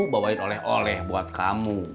bawain oleh oleh buat kamu